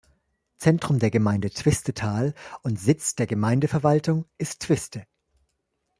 Zentrum der Gemeinde Twistetal und Sitz der Gemeindeverwaltung ist Twiste.